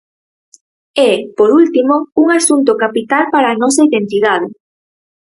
E, por último, un asunto capital para a nosa identidade.